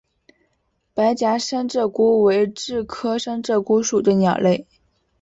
白颊山鹧鸪为雉科山鹧鸪属的鸟类。